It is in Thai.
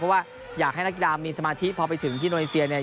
เพราะว่าอยากให้นักกีฬามีสมาธิพอไปถึงที่โดนีเซียเนี่ย